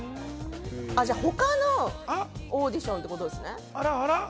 他のオーディションってことですね。